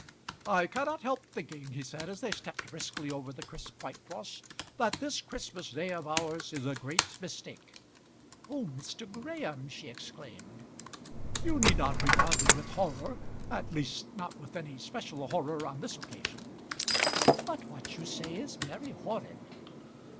"I cannot help thinking," he said, as they stepped briskly over the crisp white frost, "that this Christmas day of ours is a great mistake." "Oh, Mr. Graham!" she exclaimed "You need not regard me with horror, at least not with any special horror on this occasion." "But what you say is very horrid."